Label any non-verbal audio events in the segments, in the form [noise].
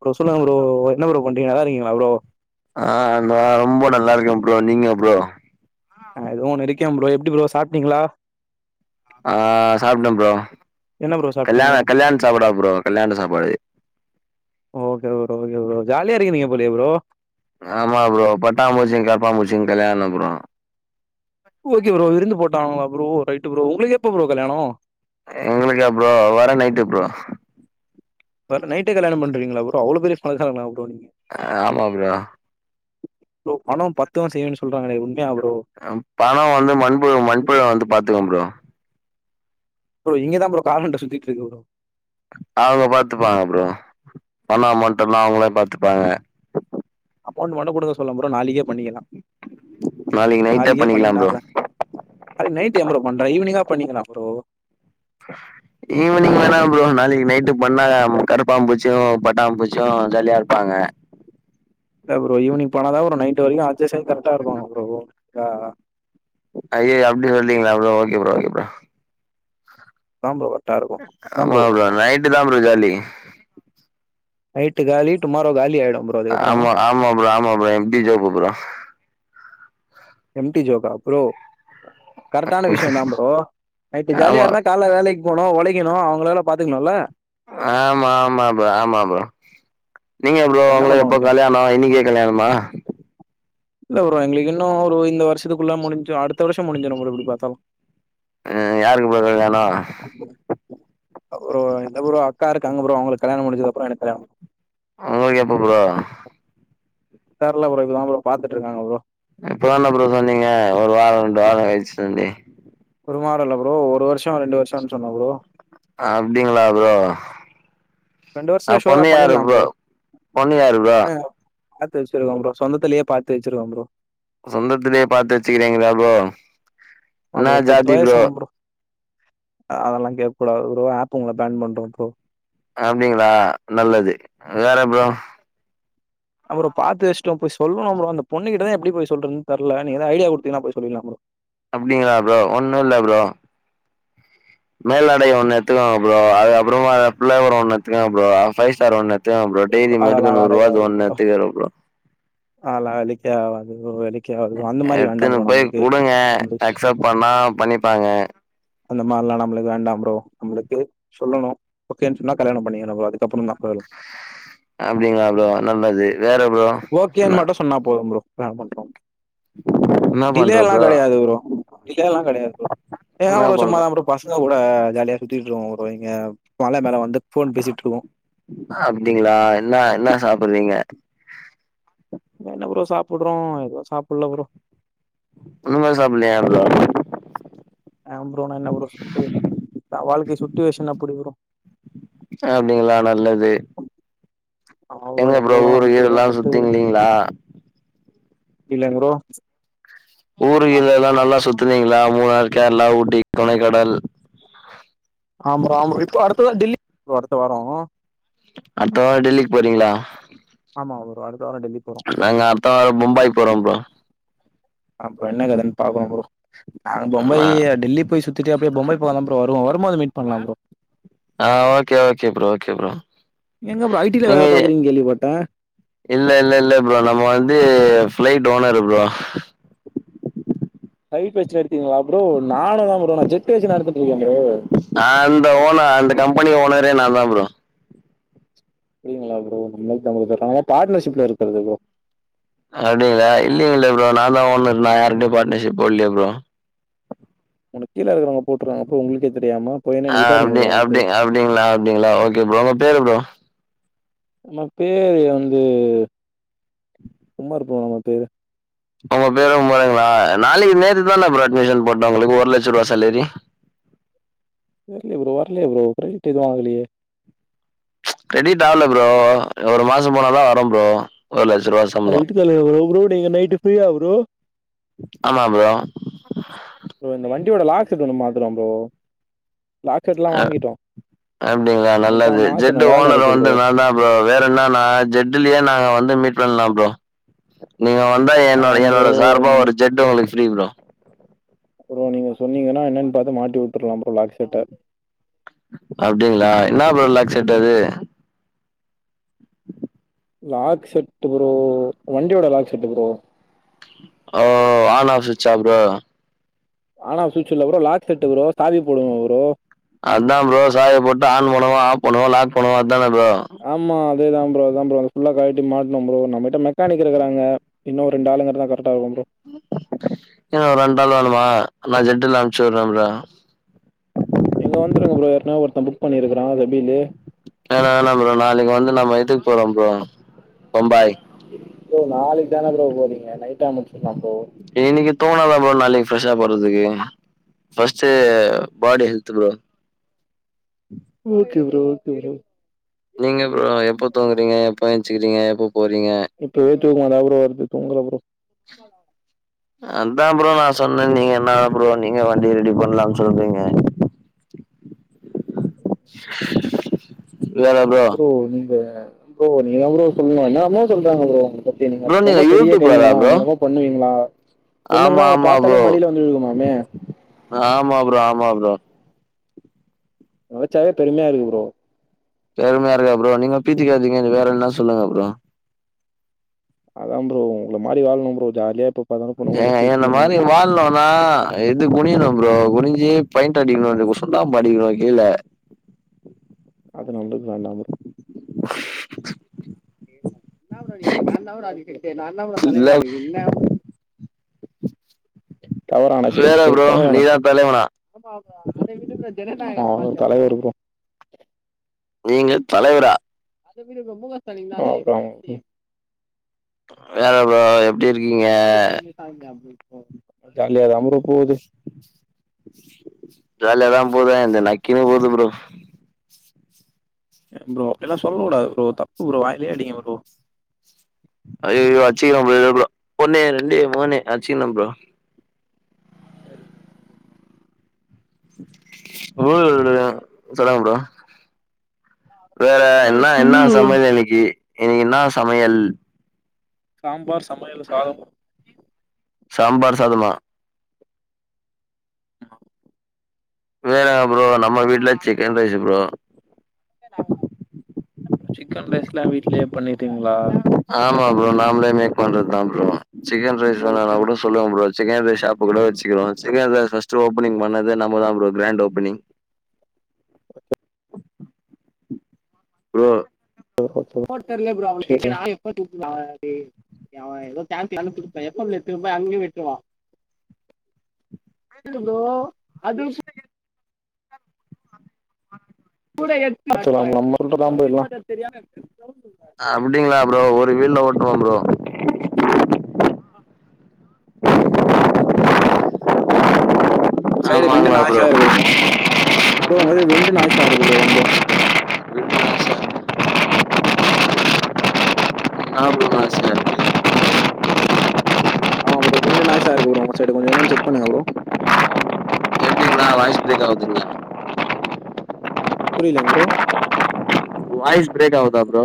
Bro சொல்லுங்க bro என்ன bro பண்றீங்க நல்லாருக்கிங்ளா ப்ரோ ஆ நா ரொம்ப நல்லாருக்க ப்ரோ நீங்க ப்ரோ நா எதோ ஒன்னு இருக்கே ப்ரோ எப்டி ப்ரோ சாப்ட்டிங்ளா ஆ சாப்ட ப்ரோ என்ன ப்ரோ சாப்ட்டீங்க கல்யாண கல்யாண சாப்பாடா ப்ரோ கல்யாண சாப்பாடு ஓகே ப்ரோ ஓகே ப்ரோ ஜாலியா இருக்கிறீங்க போலயே ப்ரோ ஆமா ப்ரோ பட்டா பூச்சிக்கு கருப்பா பூச்சிக்கு கல்யாணோ ப்ரோ ஓகே ப்ரோ விருந்து போட்டாங்களா ப்ரோ ரைட்டு ப்ரோ உங்களுக்கு எப்ப பரோ கல்யாணோ எங்களுக்கா ப்ரோ வர நைட்டு் ப்ரோ வர நைட்டே கல்யாண பண்றீங்களா ப்ரோ அவ்ளோ பெரிய பணக்காரங்களா ப்ரோ நீங்க அ ஆமா ப்ரோ பணோ பத்து செய்யுன்னு சொல்றாங்களே உண்மையா ப்ரோ பணோ வந்து மண்புழு மண்புழு வந்து பாத்துக்கு ப்ரோ ப்ரோ இங்கதா ப்ரோ காமன்ட்ட சுத்திட்ருக்கு ப்ரோ அவுங்க பாத்துப்பாங்க ப்ரோ பணோ அமோண்ட்டல்லா அவுங்களே பாத்துப்பாங்க அமோண்ட் மட்டு குடுக்க சொல்லே ப்ரோ நாளைக்கே பண்ணிக்கலா நாளைக்கு நைட்டே நாளைக்கே பண்ணி பண்ணிக்கலா நா ப்ரோ அது நைட்டு ஏ ப்ரோ பண்ற ஈவினிங்கா பண்ணிக்கலா ப்ரோ ஈவினிங் வேணா ப்ரோ நாளைக்கு நைட்டு பண்ணா கரப்பாம்பூச்சுயு பட்டாம்பூச்சுயு ஜாலியா இருப்பாங்க இல்ல ப்ரோ ஈவினிங் பண்ணாதா ஒரு நைட்டு வரைக்கு அட்ஜஸ் ஆயி கரெக்டா இருப்பாங்க ப்ரோ ஆ ஐய்யய்யோ அப்டி சொல்றீங்களா bro okay bro okay bro ஆம் ப்ரோ கரெக்டா இருக்கும் அதான் ஆமா ப்ரோ பண்ணும் நைட்டு தா ப்ரோ ஜாலி நைட்டு காலி டுமாரோ காலி ஆயிடு ஆமா ஆமா ‌ப்ரோ ஆமா‌ bro empty job bro empty ஜோக்கா ப்ரோ கரட்டான விஷயோ தா ப்ரோ நைட்டு ஜாலியா ஆமா, இருந்தா கால்ல வேலைக்கு போணு ஒழைக்கணு அவங்களல்லா பாத்துக்கனும்ல ஆமா ஆமா ப்ரோ ஆமா ப்ரோ நீங்க ப்ரோ அப்புறோ என்ன பண்ண உங்களுக்கு எப்ப முடியு கல்யாணோ இன்னைக்கே கல்யாணமா இல்ல ப்ரோ எங்களுக்கு இன்னு ஒரு இந்த வருஷத்துக்குள்ள முடிஞ்சு அடுத்த வருஷோ முடிஞ்சிடு ப்ரோ எப்டி பாத்தாலு ஆ யாருக்கு ப்ரோ கல்யாணோ ஓ இல்ல ப்ரோ அக்கா இருக்காங்க ப்ரோ அவுங்களுக்கு கல்யாண முடிஞ்சதுக்கப்றோ எனக்கு கல்யாணோ உங்களுக்கு எப்ப ப்ரோ தெர்ல ப்ரோ இப்பதா ப்ரோ பாத்துட்டு இருக்காங்க ப்ரோ இப்பதான ப்ரோ சொன்னீங்க ஒரு வார ரெண்டு வார கழிச்சோனே ஒரு வார இல்ல ப்ரோ ஒரு வருஷோ ரெண்டு வருஷோன் சொன்ன ப்ரோ அப்டிங்களா ப்ரோ ரெண்டு ஆ வருஷத்துல ஷூரா பொண்ணு யாரு பண்ணிடலாம் ப்ரோ பொண்ணு யாரு ப்ரோ என்ன பாத்து வச்சிருக்கோ ப்ரோ சொந்தத்துலயே பாத்து வச்சிருக்கோ ப்ரோ சொந்தத்துலே பாத்து வச்சிக்கிறீங்களா ப்ரோ ஆமா என்னா ப்ரோ போய் ஜாதி ப்ரோ பேசணும் அதெல்லா கேக்கூடாது ப்ரோ ஆப் உங்கள பேண்ட் பண்று ப்ரோ அப்டிங்களா நல்லது வேற ப்ரோ அப்றோ பாத்து வச்ட்டோ போய் சொல்லணு ப்ரோ அந்த பொண்ணுக்கிட்டதா எப்டி போய் சொல்றதுன் தெர்ல நீங்க எதா ஐடியா குடுத்தீங்கன்னா போய் சொல்லில்லா ப்ரோ அப்டிங்களா ப்ரோ ஒன்னு இல்ல ப்ரோ மேலாடைய ஒண்ணு எத்துக்கோங்க ப்ரோ அது அப்புறமா எதா பிளவர் ஒண்ணு எத்துக்கோங்க ப்ரோ ஃபை ஸ்டார் ஒண்ணு எத்துகோங்க ப்ரோ டெய்ரி மேடுகு அதெல்லாம் வேலைக்கு நூறுவாது ஒண்ணு எத்துக்க ப்ரோ ஆலா வெலிக்கு ஆவாது ப்ரோ வெலி க்கே ஆவாது ப்ரோ மாரி வேண்டாம் எத்துன்னு ப்ரோ போய் நம்மளுக்கு குடுங்க நம்மளுக்கு அக்சப்ட் பண்ணா பண்ணிப்பாங்க அந்த மார்ல்லா நம்பளுக்கு வேண்டா ப்ரோ நம்புளுக்கு சொல்லணு ஓகேன் சொன்னா கல்யாண பண்ணிக்கணு ப்ரோ அதுக்கப்புறோதா அப்டிங்களா ப்ரோ நல்லது வேற ப்ரோ? ஓகேன் என்னா மட்டு சொன்னா போது ப்ரோ வேல முஞ்சுடு என்னா பண்ற டிலேல்லா ப்ரோ? கடையாது ப்ரோ டிலேல்லா கடையாது ப்ரோ ஏனா என்னா ஒரு பண்ற? வருஷமா தா ப்ரோ பசங்க கூட ஜாலியா சுத்திட்டு இருபோ ப்ரோ இங்க மல மேல வந்து ஃபோன் பேசிட்ருக்கோ அ அப்டிங்களா என்னா என்னா சாப்புறீங்க இங்க என்ன ப்ரோ சாப்புட்றோ எதுவு சாப்டல ப்ரோ ஒன்னுமே சாப்பலையா ப்ரோ ஏ ப்ரோ நா என்ன ப்ரோ சுட்டு வாழ்கை சுட்சுவேஷன் அப்டி ப்ரோ அப்டிங்களா நல்லது ஆமா எங்க ப்ரோ ஊரு நல்லது எல்லா கீருல்லா கெட்டது சுத்தினு இல்லைகங்களா இல்ல ப்ரோ ஊரு ஆமா கீரெல்லா நல்லா ப்ரோ சுத்துனீங்களா மூணார், கேரளா, ஊட்டி, கொடைக்கானல் ஆமா ரோ ஆமா ரோ இப்ப அடுத்ததா டெல்லி அடுத்த வாரோ அடுத்த வாரோ டெல்லிக்கு போறீங்களா ஆமா ப்ரோ அடுத்த வாரோ டெல்லி போறோ நாங்க அடுத்த வாரோ பும்பாய் போறோம் ப்ரோ அப்ப என்ன கதன் பாப்போ ப்ரோ நாங்க ஆ பொம்பாய் டெல்லி போய் சுத் திட்டு அப்டே பொம்பாய் போலாந்தா ப்ரோ வருவோ வரும் போது மீட் பண்ணலா ப்ரோ ஆ okay okay bro okay bro எங்க ப்ரோ ஐ டில வேல நீங்க பாக்குறீங்கனு கேள்விப்பட்ட இல்ல இல்ல இல்ல ப்ரோ நம் வந்து ஃபளைட் ஓனரு ப்ரோ ஃபளைட் வச்சத நடுத்தீங்களா ப்ரோ நானு அதா ப்ரோ நா ஜெட் வச்சி நடத்துட்டு இருக்க ப்ரோ ஆ அந்த ஓன அந்த கம்பெனி ஓனரே நா தா ப்ரோ அப்டிங்களா ப்ரோ நம்ம நம்முள்து பாட்னர்ஷிப்ல இருக்கறது ப்ரோ அப்டிங்களா இல்லிங்கிளே ப்ரோ நா தா ஓனர் நா யார்கூடையு பாட்னர்ஷிப் போட்லேயே ப்ரோ உனக் கீழ இருக்கவங்க போட்ருராங்க அப்ப உங்களுக்கே தெரியாம போய் ஆ என்னன்னு விசாரிங்க அப்டி ப்ரோ ஒன்ஸு அப்டி அப்டிங்களா அப்டிங்களா ஓகே ப்ரோ உங்க பேரு ப்ரோ நம்ம பேர் வந்து உமர் ப்ரோ நம்ம பேர் உங்க பேரு உமருங்களா நாளைக்கு நேத்து தான ப்ரோ அட்மிஷன் போட்ட உங்களுக்கு ஒரு லட்ச ரூ சாலரி தெர்லயே ப்ரோ வர்லயே ப்ரோ கெரிடிட் எதுவு ஆகலயே கெரிடிட் ஆகல ப்ரோ ஒரு மாசோ போனாதா வரு ப்ரோ ஒரு லட்ச ரூவா அத விட்டு தள்ளுங்க ப்ரோ ப்ரோ நீங்க நைட்டு ஃப்ரீயா ப்ரோ ஆமா ப்ரோ ப்ரோ இந்த வண்டியோட லாக்செட்டு ஒன்னு மாத்துலா ப்ரோ லாக் செட்லாம் அ வாங்கிட்டோம் அப்டிங்களா நைட்டா நல்லது ஜெட்டு மாத்தணும் வேல ஓனரு இருக்கு ப்ரோ வந்து நா தா ப்ரோ வேற என்ன நா ஜெட்லயே நாங்க வந்து மீட் பண்ல ப்ரோ நீங்க வந்தா என்னோட அதான் ப்ரோ என்னோட சார்பா நீ ஒரு ஜெட்டு உங்களுக்கு ஃப்ரீ ப்ரோ அப்புற நீங்க சொன்னீங்கன்னா என்னன்னு பாத்து மாட்டி விட்டுறலா ப்ரோ லாக் செட்ட அப்டிங்களா என்னா ப்ரோ லாக் செட் அது லாக் செட் ப்ரோ வண்டியோட லாக் செட்டு ப்ரோ ஓ ஆன் ஆஃப் சுச்சா ப்ரோ ஆன் ஆஃப் சுச்சு இல்ல ப்ரோ லாக் செட் ப்ரோ சாவி போடுவ ப்ரோ அதா ப்ரோ சாவி போட்டு ஆன் பன்ணுவோ ஆஃப் பன்ணுவோ லாக் பண்ணுவோ அதான ப்ரோ ஆமா அதேதா ப்ரோ தா ப்ரோ ஃபுல்லா கழட்டி மாட்டுனோ ப்ரோ நம்மட்ட மெக்கானிக் இருக்கறாங்க இன்னு ரெண்டு ஆளுங்க இருந்தா கரட்டா இருக்கு ப்ரோ இன்னு ரெண்டு நாள் வேணுமா நா ஜெட்டுல்ல அனுப்ச்சி விடுற ப்ரோ நீங்க வந்துருங்க ப்ரோ ஏற்கனவே ஒருத்த புக் பண்ணிருக்குறா கெபிலு வேணா வேணா ப்ரோ நாளைக்கு வந்து நம்ம இதுக் போறோம் ப்ரோ பம்பாய். ப்ரோ நாளைக்கு தான ப்ரோ போறீங்க நைட்டா முடிச்சில்லா ப்ரோ இன்னைக்கு தோணாதா ப்ரோ நாளைக்கு ஃபரெஷ்ஷா போடுறதுக்கு first body health bro okay bro okay bro நீங்க ப்ரோ எப்ப தூங்குறீங்க எப்ப எஞ்சிக்கிறீங்க எப்ப போறீங்க இப்பவே தூக்கமா தா ப்ரோ வருது தூங்கல ப்ரோ ஹலோ அதா ப்ரோ நா சொன்ன நீங்க என்னா ப்ரோ நீங்க வண்டி ரெடி பண்லானு சொல்றீங்க ம் வேற என் ப்ரோ நீங்க ப்ரோ நீங்க தா ப்ரோ சொல்றீங்க எல்லாருமே சொல்றாங்க ப்ரோ பத்தி நீங்க ப்ரோ ரொம்ப பெரிய கையா யூடியூபரா ப்ரோ? என்னனுமோ பண்ணுவீங்ளா ஆமா பொண்ணுங்கல்லா உங்கள ஆமா பாத்தாலே ப்ரோ மடியில வந்து விழுகுமாமே ஆமா ப்ரோ ஆமா ப்ரோ நெனச்சாவே பெருமையா இருக்கு ப்ரோ பெருமையா இருக்கா ப்ரோ நீங்க பீத்திக்காதீங்க வேற என்னா சொல்லுங்க ப்ரோ அதா ப்ரோ உங்கள மாரி வாழணு ப்ரோ ஜாலியா இப்ப ஏங்க என்ன மாறி வாழலோனா எது குனியணும் ப்ரோ குனிஞ்சி பெயிண்ட் அடிக்கணு சுண்ணாம்பு அடிக்கணு கீழ அது நம்ளுக்கு வேண்டா ப்ரோ என்ன ப்ரோ நீ நா தா ப்ரோ அதுக்கு ஹெட்டு நான் தா ப்ரோ தலைவ இல்ல அதுக்கு என்னா ப்ரோ நீ தவறான செயல் வேற இது ப்ரோ தவறான நீதான் தலைவனா செயல் அத விடு ப்ரோ ஜனநாயகன் நீங்க தலைவரா அது [unintelligible] வேற ப்ரோ எப்டி இருக்கீங்க? ஜாலியா தா ப்ரோ போது ஜாலிய தா போதா இந்த நக்கினு போது ப்ரோ ப்ரோ அப்டி எல்லா சொல்ல கூடாது ப்ரோ தப்பு ப்ரோ வாயிலயே அடிங்க ப்ரோ ஐயயோ அச்சிக்கின்ன ப்ரோ இருங்க ப்ரோ ஒன்னு ரெண்டே மூனு அச்சிக்கின்ன ப்ரோ [unintelligible] சொல்லுங்க ப்ரோ வேற என்ன சொல்லு என்னா ப்ரோ. சமயல் இன்னைக்கு இன்னிக்கு என்னா சமையல் சாம்பார் சமையல் சாதம் சாம்பார் சாதமா வேற என ப்ரோ நம்ம வீட்ல சிக்கன் ரைஸ் ப்ரோ சிக்கன் ரைஸ்லா வீட்லியேப் பண்ணிர்ரீங்ளா ஆமா ப்ரோ நாம்ளே மேக் பண்றதாம் ப்ரோ சிக்கன் ரைஸ் வேனூனா கூட சொல்லுங்க ப்ரோ சிக்கன் ரைஸ் ஷாப்பு கூட வச்சுகிறோ சிக்கன் ரைஸ் ஃபஸ்ட்டு ஓபனிங் பண்ணது நாம்மதா ஒரு ப்ரோ கிராண்ட் ஓப்பனிங் [inaudible] ப்ரோ போட்டு தரல ப்ரோ அவனுக்கு [unintelligible] அவ எதோ டேங்க்லந்து புடிப்பா எஃப் எம்ல எத்துபோய் அங்கியு வெட்டுவா இக்கிது ப்ரோ.. அதுகு ஆக்சுவலா நம்ம கிட்டதா ப்ரோ எல்லா அப்டிங்ளா ப்ரோ ஒரு வீல்ல ஓட்டுவம் ப்ரோ ஆ சைடு விண்டு ஆமாங்ளா ப்ரோ நாய்ஸா இருக்கு ப்ரோ ஒங்கள்து வெண்டு நாய்சாருக்கு ப்ரோ ரொம்போ இன்னா ப்ரோ ஆசே ஆ ப்ரோ வெண்டு நாய்சாருக்கு ப்ரோ உங்க சைடு கொஞ்ச என்னன் செக் பண்ணுங்க ப்ரோ அண்ணா வாய்ஸ் பிரேக் ஆவுதுங்னா புரிலங் ப்ரோ வாய்ஸ் பிரேக் ஆவுதா bro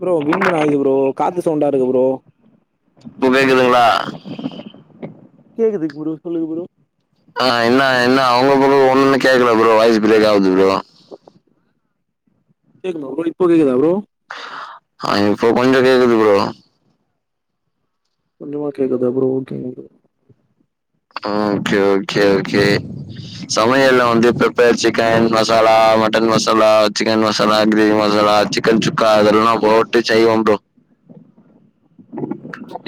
bro wind noise bro காத்து சவுண்டாருக்கு ப்ரோ இப்ப கேக்குதுங்ளா கேக்குதுங் ப்ரோ சொல்லுங்க ப்ரோ ஆ இன்னா இன்னா வுங்க பக்கோ ஒன்னு கேக்கல ப்ரோ வாய்ஸ் பிரேக் ஆவுது ப்ரோ கேக்கு ப்ரோ ஒரு வேல இப்போ கேக்குதா ப்ரோ ஆ இப்போ கொஞ்ச கேக்குது ப்ரோ கொஞ்சமா கேக்குதா ப்ரோ ஓகேங் ப்ரோ ஆ ஓகே ஓகே ஓகே சமயல்ல வந்து pepper chicken masala, mutton masala, chicken masala, gravy masala, chicken sukka அதெல்லாம் போட்டு செய்வே ப்ரோ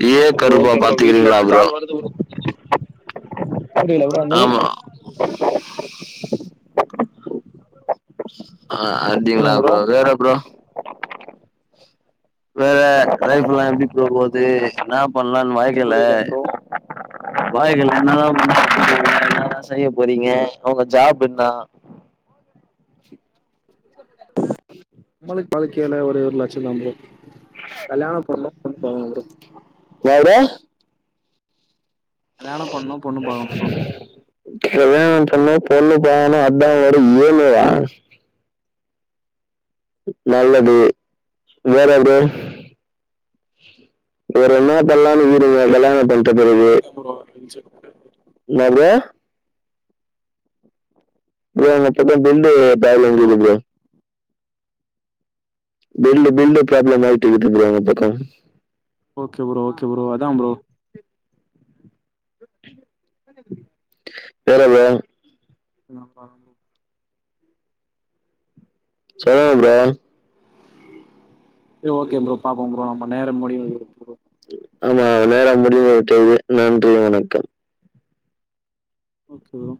ஏ ப்ரோ கருபா ஓகே ப்ரோ வீட்ல பாத்துகிறிங்ளா இருந்து ப்ரோ கால் வருது புரியல ப்ரோ என்னது ஆமா சமையல் ஆ அத்திங்ளா ப்ரோ வேற ப்ரோ வேற லைப்ஃபுலா எப்டி போக போது இன்னாப் பண்லான் வாழ்க்கைல புரியல ப்ரோ வாழ்க்கைல என்னலாம் பண்ண போறீங்க என்னலா செய்ய போறீங்க இப்ப ஒங்க ஜாப் என்னா நம்மளுக்கு வாழ்கைல ஒரே ஒரு லட்சியந்தா ப்ரோ கல்யாணம் பண்ணு யாவ்ரே கல்யாணம் பண்ணு பொண்ணு பாக்கணு ப்ரோ கல்யாணம் பண்ணும் பொண்ணு பாகணு அத்தா வேட ஏழு நல்லது வேற ப்ரோ வேற என்னாப் பண்லானு இகிறிங்க கல்யாணம் பண் [unintelligible] இன்னா ப்ரோ ப்ரோ என்ன கேட்டா பெண்டு பேக்ல விழுது ப்ரோ பெல்லு பெல்லு ப்ராப்ளமாயிட்டு இகுது ப்ரோ இந்த பக்கம் ஓகே ப்ரோ ஓகே ப்ரோ அதாம் ப்ரோ வேறதா இன்னு பாக்லாம் ப்ரோ சொல்லுங்க ப்ரோ சரி ஓகே ப்ரோ பாப்போ ப்ரோ நம்ம நேர முடியரது ப்ரோ ஆமா நேர முடிவுற்றது நன்றி வணக்கம் ஓகே ப்ரோ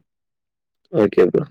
ஓகே ப்ரோ